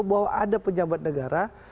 bahwa ada pejabat negara